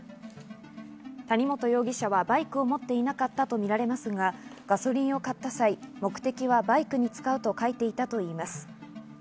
谷本容疑者はバイクを持っていなかったとみられますが、ガソリンを買った際、目的はバイクに使うと書いていたといいます。